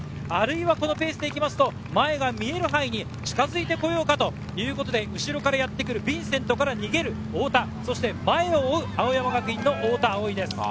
このペースでいくと、前が見える範囲に近づいて来ようかということで、後からやってくるヴィンセントから逃げる太田、前を追う青山学院の太田蒼生です。